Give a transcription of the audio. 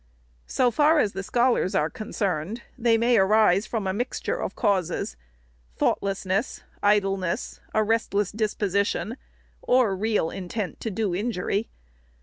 So far as the scholars are concerned, they may arise from a mixture of causes ; thoughtlessness, idleness, a restless disposition, or real intent to do injury.